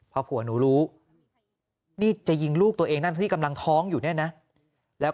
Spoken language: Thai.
พอผัวหนูรู้นี่จะยิงลูกตัวเองนั่นที่กำลังท้องอยู่เนี่ยนะแล้ว